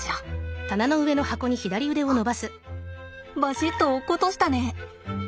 あバシッと落っことしたね。